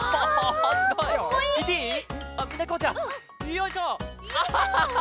よいしょ！